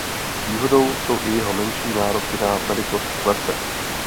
Výhodou jsou i jeho menší nároky na velikost klece.